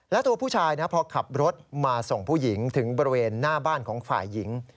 และตัวผู้ชายพอขับรถมาส่งผู้หญิงถึงบริเวณหน้าบ้านของฝ่ายหญิง